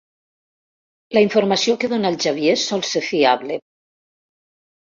La informació que dóna el Xavier sol ser fiable.